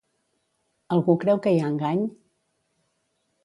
Algú creu que hi ha engany?